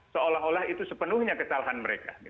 seolah olah itu sepenuhnya kesalahan mereka